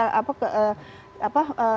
sangat mengganggu aktivitas di jaipura